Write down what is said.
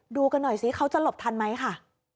ดูกันหน่อยสิเขาจะหลบทันไหมค่ะ